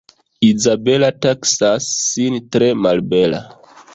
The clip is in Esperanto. Izabela taksas sin tre malbela.